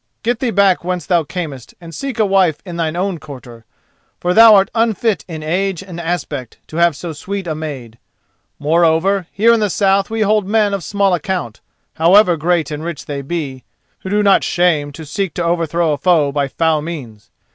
Get thee back whence thou camest and seek a wife in thine own quarter, for thou art unfit in age and aspect to have so sweet a maid. Moreover, here in the south we hold men of small account, however great and rich they be, who do not shame to seek to overcome a foe by foul means.